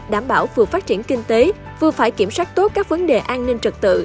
đảm bảo vừa phát triển kinh tế vừa phải kiểm soát tốt các vấn đề an ninh trật tự